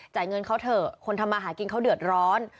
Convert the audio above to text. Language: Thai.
เงินเขาเถอะคนทำมาหากินเขาเดือดร้อน